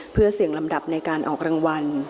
เพื่อเสี่ยงลำดับในการออกรางวัล